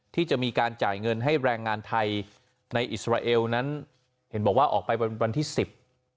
ที่จะมีการจ่ายเงินให้แรงงานไทยในอิสราเอลนั้นเห็นบอกว่าออกไปวันวันที่สิบ